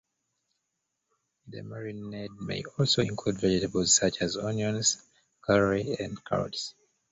The marinade may also include vegetables such as onions, celery, and carrots.